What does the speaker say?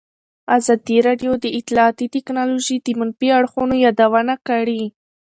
ازادي راډیو د اطلاعاتی تکنالوژي د منفي اړخونو یادونه کړې.